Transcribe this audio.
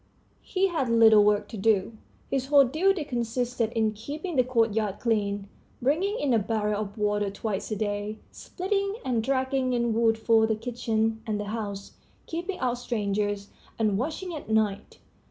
He had little work to do; his whole duty consisted in keeping the courtyard clean, bringing in a barrel of water twice a day, splitting and dragging in wood for the kitchen and the house, keeping out strangers, and watching at night.